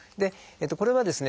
これはですね